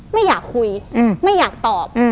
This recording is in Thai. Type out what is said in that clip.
ไม่อยากคุยไม่อยากตอบ